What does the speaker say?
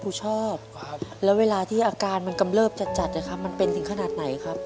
ผู้ชอบแล้วเวลาที่อาการมันกำเลิภจัดมันเป็นสิ่งขนาดไหนครับ